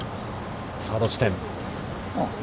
サード地点。